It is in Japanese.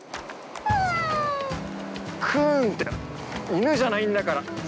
◆くーん◆くーんって、犬じゃないんだから！